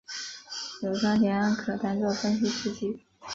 硫酸铁铵可当作分析试剂。